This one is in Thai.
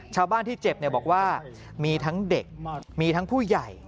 ชาวบ้านที่เจ็บบอกว่ามีทั้งเด็กมีทั้งผู้ใหญ่